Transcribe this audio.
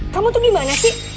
kamu tuh gimana sih